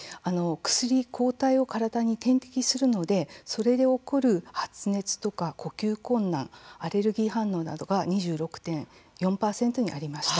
薬、抗体を体に点滴するのでそれで起こる発熱とか呼吸困難アレルギー反応などが２６．４％にありました。